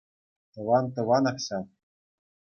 Тӑван тӑванах ҫав.